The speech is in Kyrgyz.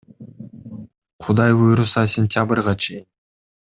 Кудай буйруса, сентябрга чейин.